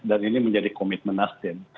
dan ini menjadi komitmen nasdem